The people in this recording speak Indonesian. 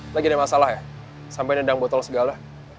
lagi ada masalah ya sampai nendang botol segala